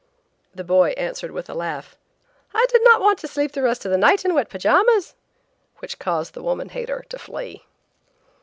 The boy answered with a laugh, "I did not want to sleep the rest of the night in wet pajamas," which caused the woman hater to flee!